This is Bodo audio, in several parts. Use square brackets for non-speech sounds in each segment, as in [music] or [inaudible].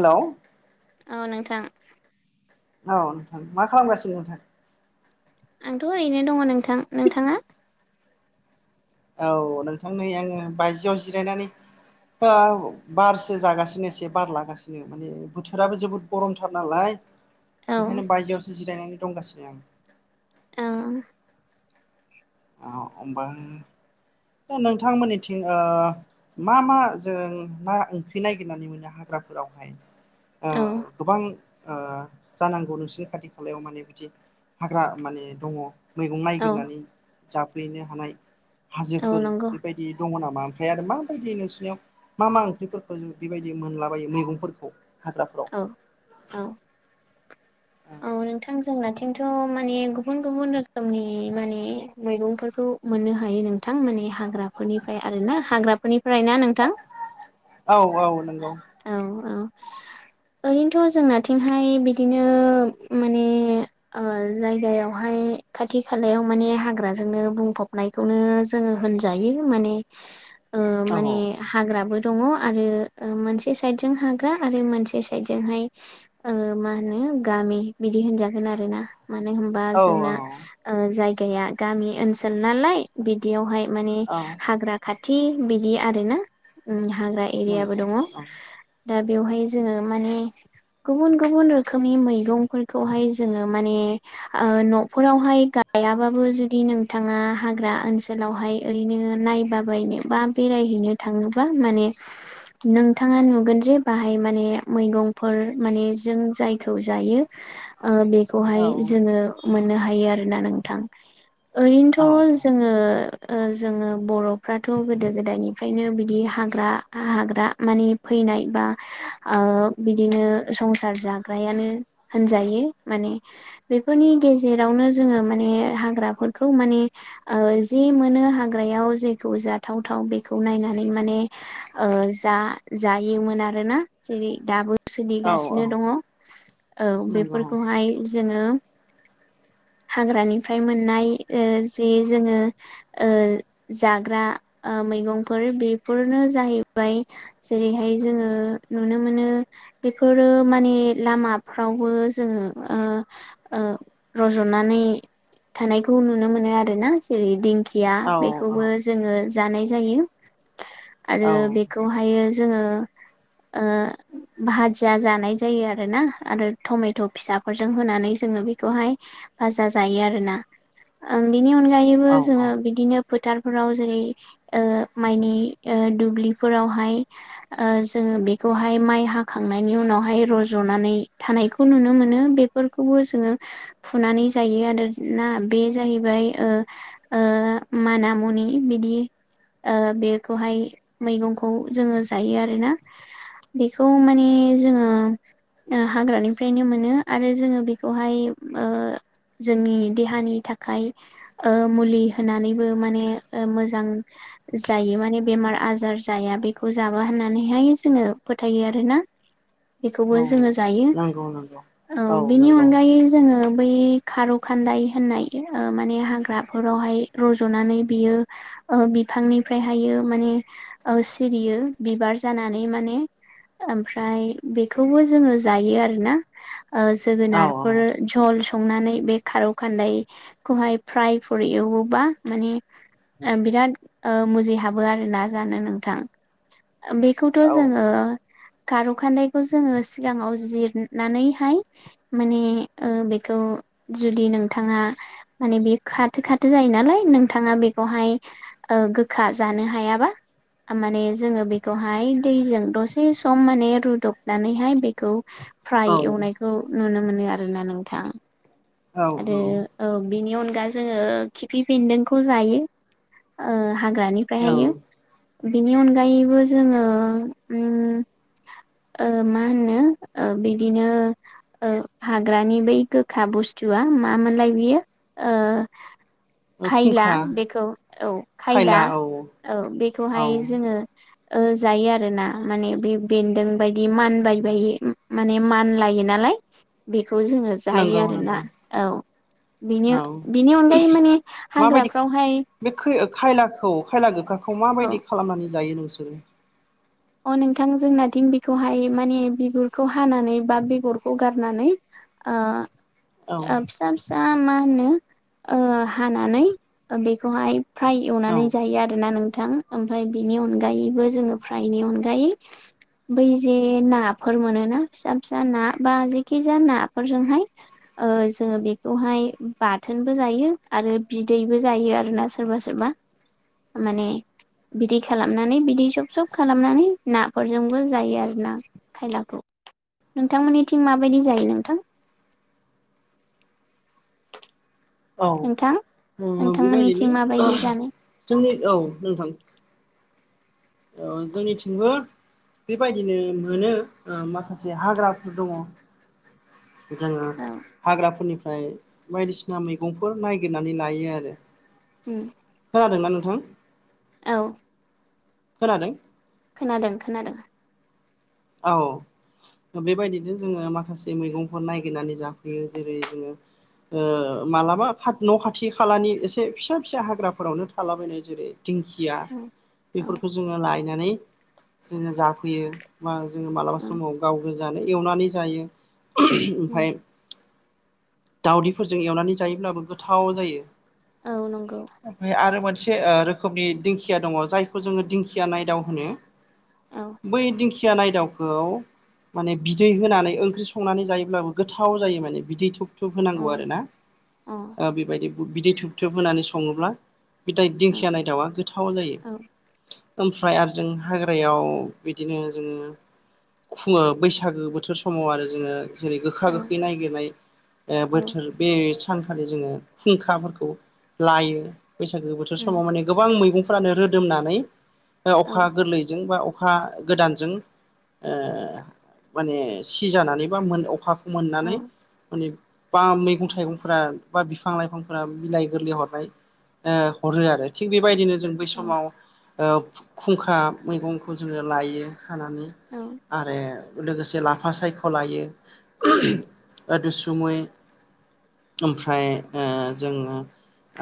हेलौ औ नोंथां औ नोंथां मा खालामगासिनो नोंथां? आंथ' ओरैनो दङ नोंथां नोंथाङा। औ नोंथां नै आङो बायजोआव जिरायनानै दा बारसो जागासिनो एसे बार लागासिनो माने बोथोराबो जोबोद गरमथार नालाय। औ ओंखायनो बायजोआवसो जिरायनानै दंगासिनो आं [unintelligible] [unintelligible] दा नोंथांमोननिथिं मा मा जों मा ओंख्रि नागिरनानै मोनो हागोन। फोथारफोरावहाय औ गोबां जानांगौ नोंसिनि खाथि खालायाव माने बिदि हाग्रा माने दङ। मैगं औ नायगिरनानै जाफैनो हानाय औ हाजोफोर नंगौ बेबायदि दङ नामा? ओमफाय आरो माबायदि नोंसिनियाव मा मा ओंख्रिफोरखौ जों बेबायदि मोनलाबायो मैगंफोरखौ औ हाग्राफ्राव औ औ नोंथां जोंनाथिं थिंथमाने गुबुन गुबुन रोखोमनि माने मैगंफोरखौ मोननो हायो नोंथां माने हाग्राफोरनिफ्राय आरो ना हाग्राफोरनिफ्राय ना नोंथां? औ औ नंगौ। औ औ ओरैनोथ' जोंनिथिंहाय बिदिनो माने जायगायावहाय खाथि खालायाव माने हाग्राजोंनो बुंफबनायखौनो जों होनजायो औ माने हाग्राबो दङ आरो मोनसे साइद जों हाग्रा आरो मोनसे साइदजोंहाय मा होनो। गामि बिदि होनजागोन आरोना मानो होनबा औ औ जोंना जाय गैया गामि ओनसोल नालाय बिदियावहाय माने औ हाग्रा खाथि थि बिदि आरोना हाग्रा एरियाबो नंगौ दङ। दा बेवहाय जोङो माने गुबुन गुबुन रोखोमनि मैगंफोर खौहाय जोङो माने न'फोरावहाय गायाबाबो जुदि नोंथाङा हाग्रा दा ओनसोलावहाय ओरैनो नायबा बायनो बा बेरायहैनो थाङोबा माने नोंथाङा नुगोन जे बाहाय माने मैगंफोर माने जों जायखौ जायो। औ बेखौहाय जोङो मोननो हायो आरोना नोंथां। औ ओरैनोथ' जोङो जोङो बर'फ्राथ' गोदो गोदायनिफ्रायनो बिदि हाग्रा हाग्रा माने फै फैनाय बा बिदिनो संसार जाग्रायानो होनजायो माने बेफोरनि गेजेरावनो जोङो माने हाग्राफोरखौ माने मोनो हाग्रायाव जेखौ जाथावथाव बेखौ नायनानै माने ओ ओ जा जायोमोन आरोना जेरै दाबो औ सोलिगासिनो दङ औ नंगौ बेफोरखौहाय जोङो [inaudible] हाग्रानिफ्राय मोननाय ओ जे जोङो ओ जाग्रा ओ मैगंफोर बेफोरनो जाहैबाय जेरैहाय जोङो नुनो मोनो बेफोरो माने लामा फ्रावबो जोङो ओ ओ रज'नानै थानायखौ नुनो मोनो आरो ना जेरैदिं खिया औ बेखौबो जोंङो जानाय जायो औ आरो बेखौहायो जों जोङो ओ भाजिया जानाय जायो आरोना आरो टमेट' फिसाफोरजों होनानै जोङो बेखौहाय भाजा जायो आरोना ओं बिनि अनगायैबो औ जोङो बिदिनो फोथारफोराव जेरै ओ माइनि ओ दुब्लिफोरावहाय ओ जों बेखौहाय माइ हाखांनायनि उनावहाय रज'नानै थानायखौ नुनो मोनो बेफोरखौबो जोङो फुनानै जायो आरो ना बे जाहैबाय ओ ओ माना मुनि बिदि ओ बेखौहाय मैगंखौ जोङो जायो आरोना बेखौ माने जोङो ओ हाग्रानिफ्रायनो मोनो आरो जोङो बेखौहाय ओ जोंनि देहानि थाखाय ओ मुलि होनानैबो माने मोजां जायो माने बेमार आजार जाया बेखौ जाबा होननानैहाय जोङो फोथायो आरोना बेखौबो औ जोङो जायो नंगौ नंगौ औ बिनि अनगायै जोङो बै खार' खान्दाय होननाय ओ माने हाग्राफोरावहाय रज'नानै बियो ओ बिफांनिफ्रायहायो माने ओ सिरियो बिबार जानानै माने ओमफ्राय बेखौबो जोङो जायो आरोना ओ औ औ जोगोनारफोर झल संनानै बे खार' खान्दायखौहाय फ्राय फोर एवोबा माने ओ बिराद ओ मुजि हाबो आरोना जानो नोंथां बेखौथ' जोङो खार खान्दाइखौ जोङो सिगाङाव जिरनानैहाय माने ओ बेखौ जुदि नोंथाङा माने बेयो खाथो खाथो जायो नालाय नोंथाङा बेखौहाय गोखा जानो हायाबा माने जोङो बेखौहाय दैजों दसे सम माने रुदबनानैहाय बेखौ औ फ्राय एवनायखौ नुनो मोनो आरोना नोंथां। औ आरो औ बेनि उनाव दा जोङो खिफि बेन्दोंखौ जायो ओ हाग्रानिफ्रायहायो औ बिनि अनगायैबो जोङो उम ओ मा होनो ओ बिदिनो ओ हाग्रानि बै गोखा बुस्थुआ मामोनलाय बियो? ओ औ खायला खुंखा बेखौ औ खायला औ औ बेखौहाय जोङो ओ जायो आरो ना माने बे बेन्दों बायदि मानबाय बायो माने मान लायो नालाय बेखौ जोङो जायो नंगौ आरोना नंगौ औ बेनि औ बिनि अनगायै माने माबायदि हाग्राफ्रावहाय बे खै खायलाखौ खायला गोखाखौ औ माबायदि खालामनानै जायो नोंसोरो? अ नोंथां जोंनाथिं बेखौहाय माने बिगुरखौ हानानै बा बेगरखौ गारनानै ओ औ ओ फिसा फिसा मा होनो ओ हानानै बेखौहाय फ्राय औ एवनानै जायो आरोना नोंथां ओमफ्राय बिनि अनगायैबो जोङो फ्रा यनि अनगायै बै जे नाफोर मोनोना फिसा फिसा ना बा जेखिजाया नाफोरजोंहाय ओ जोङो बेखौहाय बाथोनबो जायो आरो बिदैबो जायो आरोना सोरबा सोरबा [inaudible] माने बिदै खालामनानै बिदै जब जब थुब खालामनानै नाफोरजोंबो जायो आरोना खायलाखौ नोंथांमोननिथिं माबायदि जायो नोंथां औ नोंथां नोंथांमोननिथिं बेबायदिनो माबायदि जानाय जोंनि औ नोंथां औ जोंनिथिंबो बेबायदिनो मोनो माखासे हाग्राफोर दङ जोङो औ हाग्राफोरनिफ्राय बायदिसिना मैगंफोर नागिरनानै लायो आरो उम खोनादोंना नोंथां औ खोनादों खोनादों खोनादों औ बेबायदिनो जोङो माखासे मैगंफोर नायगिरनानै जाफैयो जेरै जोङो मालाबा खा न' खाथि खालानि एसे फिसा फिसा हाग्राफोरावनो थालाबायनाय जेरै दिंखिया उम औ बेफोरखौ जोङो लायनानै जोङो जाफैयो बा जों मालाबा औ समाव गाव गोजानो एवनानै जायो उम ओमफ्राय दावउदैफोरजों एवनानै जायोब्लाबो गोथाव जायो औ नंगौ ओमफ्राय आरो मानसि रोखोमनि दिंखिया दङ जायखौ जोङो दिंखिया नायदाव होनो औ बै दिखि दिंखिया नायदावखौ माने बिदै होनानै ओंख्रि संनानै जायोब्लाबो गोथाव जायो माने बिदै थुब थुब थुब अ होनांगौ आरोना औ बेबायदि बिदै थुब थोब होनानै सङोब्ला बे दाय दिंखिया नायदावा गोथाव जायो औ ओमफ्राय आरो जों हाग्रायाव बिदिनो जोङो खुङो बैसागो बोथोर समाव आरो जोङो जेरै गोखा औ गोखै ननायागिरनाय ओ औ बोथोर बे सानखालि जोङो खुंखाफोरखौ लायो बैसागो बोथोर उम समाव मान गोबां मैगं फोरानो रोदोमनानै औ अखा गोरलै बा अखा गोदान जों ओ माने सिजानानै बा मोन अखा मोननानै औ माने बा मैगं थाइगंफोरा बा बिफां लाइफांफोरा बालाइ गोरलै हरनाय हरो आरो थिग बेबायदिनो जों बै औ समाव ओ खुंखा मैगंखौ जोङो लायो खानानै औ आरो लोगोसे लाफा सायख'लायो उम गोदुसुमै ओमफ्राय ओ जोङो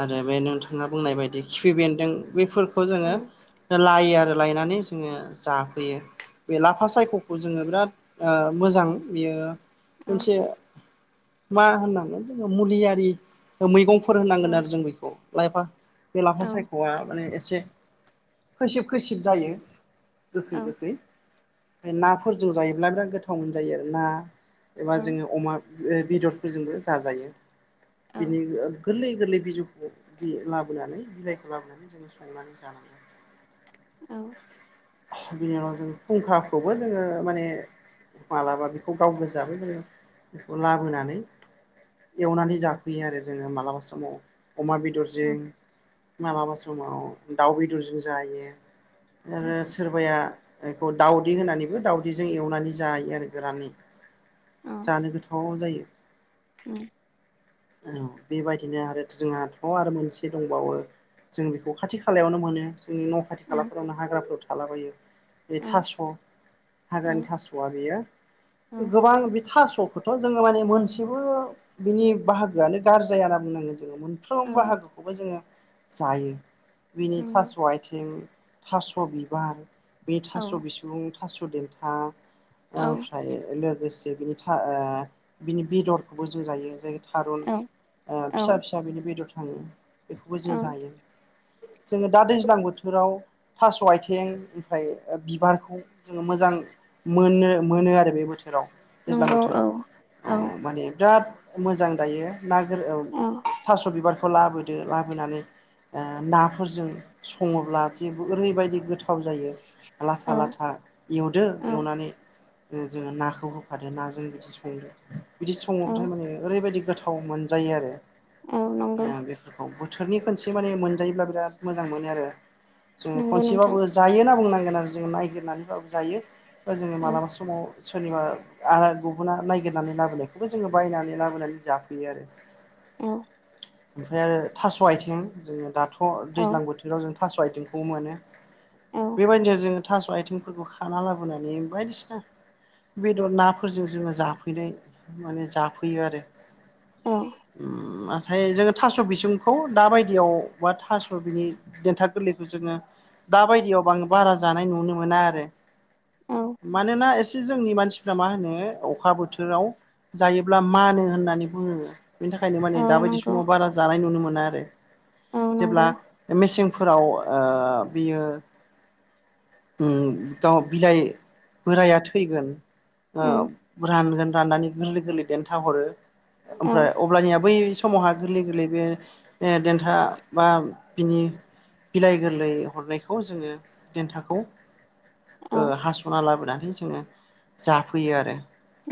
आरो बे नोंथाङा बुंनाय बदि खिफि बेनदों बेफोर खौ औ जोङो लायो आरो लायनानै जोङो जाफैयो बे लाफा सायख'खौ जोङो बिराद ओ मोजां बेयो औ मोनसे मा होनांगोन जोङो मुलियारि मैगंफोर औ होनांगोन उम आरो जों बेखौ। लाइफां बे लाफा औ सायख'या माने एसे खैसिब खैसिब जायो गोखै गोखै ओमफ्राय नाफोरजों जायोब्ला बिराद गोथावमोन जायो आरो ना एबा जोङो अमा बेदरफोरजोंबो जाजायो बिनि ओ गोरलै गोरलै बिजौखौ लाबोनानै बिलाइखौ लाबोनानै जोङो संनानै जानांगोन औ बिनि उनाव जों फुंखाखौबो जोङो माने माब्लाबा बेखौ गाव गोजाबो जोङो बेखौ लाबोनानै एवनानै जाफैयो आरो जोङो मालाबा समाव अमा औ बेदरजों मालाबा समाव दाउ बेदरजों जायो आरो सोरबाया। बेखौ दाावदै होनानैबो दाउदैजों एवनानै जायो आरो गोरानै। जानो गोथाव जायो। ओम औ बेबायदिनो आरो जोंहाथ' आरो मोनसे दंबावो। जों बेखौ खाथि खालायावनो मोनो जोंनि न' खाथि खालाफोरावनो हाग्राफोराव थालाबायो। बे थास' हाग्रानि थास'या बेयो औ गोबां बे थास'। खौथ' जोङो माने मोनसेबो बिनि बाहागोयानो गारजाया होनना बुंनांगोन। जोङो मोनफ्रोम बाहागोखौबो जोङो जायो बेनि थास' आइथिं। थास' बिबार बे थास' बिसुं थास' देनथा ओमफ्राय लोगोसे बिनि ओ बिनि बेदरखौबो जों जायो जाय थारुन ओ फिसा फिसा बिनि बेदर थाङो बेखौबो जों जायो। जोङो दा दैज्लां बोथोराव थास' आथिं। ओमफ्राय बिबारखौ जोङो मोजां मोनो मोनो आरो बे बोथोर। बोथोराव दैज्लां नंगौ औ नंगौ औ औ बोथोराव माने बिराद। मोजां दायो ना गोर थास' बिबारखौ लाबोदो लाबोनानै। ओ नाफोरजों सङोब्ला जेबो ओरैबायदि गोथाव जायो। लाथा औ लाथा एवदो एवनानै। जोङो नाखौ होफादो नाजों बिदि संदो बिदि औ सङोबाथाय माने ओरैबायदि गोथाव। थाव मोनजायो आरो औ ओ नंगौ बेफोरखौ बोथोरनि खनसे माने मोनजायोब्ला बिराद मोजां मोनो आरो जोङो नंगौ खनसेबाबो नोंथां जायो होना बुंनांगोन। नार [unintelligible] जोङ [unintelligible] नायागिरनानैबाबो जायो बा जोङो औ मालाबा समाव। सोरनिबा गुबुना नायगिरनानै लाबोनायखौबो जोङो बायनानै लाबोनानै जाफैयो आरो औ ओमफ्राय आरो थास' आथिं जोङो दाथ' औ दैज्लां बोथोराव जों थास'आइथिंखौ मोनो औ बेबायदि ज जोङो थास' आइथिंफोरखौ खाना लाबोनानै बायदिसिना बेदर नाफोरजों जोङो जाफैनाय माने जाफैयो आरो‌। औ उम नाथाय जोङो थास' बिसंखौ दा बायदियाव बा थास' बिनि देन्था गोरलैखौ जोङो दा बायदियाव बां बारा जानाय नुनो मोना आरो। औ मानोना एसे जोंनि मानसिफ्रा मा होनो अखा बोथोराव जायोब्ला मानो होननानै बुङो। बेनि थाखायनो औ माने दाबायदि नंगौ समाव बारा जानाय नुनो मोना आरो औ जेब्ला नंगौ ओ मेसें फोराव ओ बियो उ गाव बिलाइ बोराया थैगोन। ओ उम रानगोन राननानै गोरलै गोरलै देन्था हरो औ ओमफ्राय अब्लानिया बै समावहा गोरलै गोरलै बे देन्था बा बिनि। बिलाइ गोरलै हरनायखौ जोङो। देन्थाखौ औ ओ हास'ना लाबोनानै जोङो जाफैयो आरो।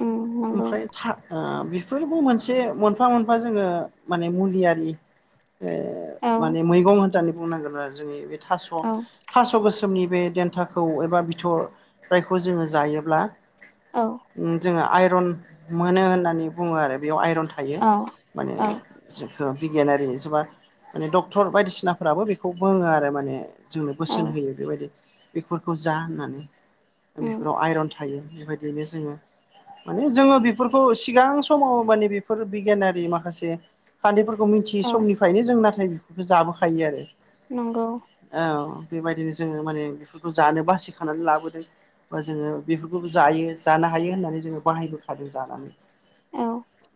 उम नंगौ ओमफ्राय था आ बेफोरबो मोनसे मोनफा मोनफा जोङो माने मुलियारि औ माने मैगं होननानै बुंनांगोन आरो जोंनि बे थास' औ थास' गोसो मनि बे देन्थाखौ एबा बिथ'राइखौ जोङो जायोब्ला औ उ जोङो आइरन मोनो होननानै बुङो आरो बियाव आइरन थायो औ माने औ जों जा बिगियानारि जेबा माने डक्टर बायदिसिनाफ्राबो बेखौ बुङो आरो माने जोंनो औ बोसोन होयो बेबायदि बेफोरखौ जा होननानै ओ उम बिफोराव आइरन थायो बिबायदिनो जोङो। माने जोङो बिफोरखौ सिगां समाव माने बिफोर बिगियानारि माखासे खान्थिफोर बखौ मिथियै औ समनिफ्रायनो जों नाथाय बिफोरखौ जाबोखायो आरो। नंगौ बिदिनो जोङो माने बिफोरखौ जानो बासिखानानै लाबोदों। बा जोङो बिफोरखौबो जायो जानो हायो होननानै जोङो बाहायबोखादों जानानै। औ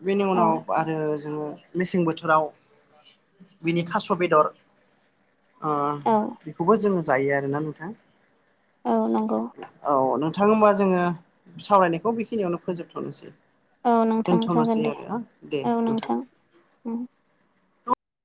बेनि औ उनाव आरो जोङो मेसें बोथोराव बिनि थास' बेदर आ औ बिखौबो जोङो जायो आरोना नोंथां औ नंगौ औ नों थां होमबा जोङो सावरायनायखौ बेखिनियावनो फोजोबथ'नोसै। औ नोंथां जागोन दोनथ'नोसै दे आरोना दे नोंथां। उम